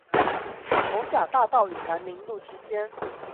艋舺大道與南寧路之間